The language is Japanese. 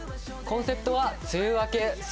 コンセプトは梅雨明け宣言。